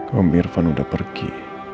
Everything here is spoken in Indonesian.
om irfan sudah pergi